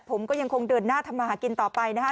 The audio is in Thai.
ผมก็ยังคงเดินหน้าทำมาหากินต่อไปนะฮะ